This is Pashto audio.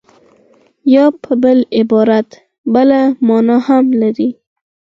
یا په بل عبارت بله مانا هم لري